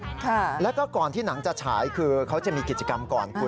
ค่ะแล้วก็ก่อนที่หนังจะฉายคือเขาจะมีกิจกรรมก่อนคุณ